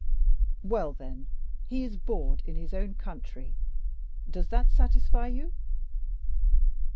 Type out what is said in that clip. "Well, then, he is bored in his own country. Does that satisfy you?"